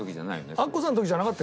アッコさんの時じゃなかった？